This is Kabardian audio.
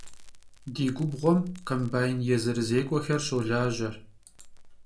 Di gubğuem kombayn yêzırızêk'uexer şolaje.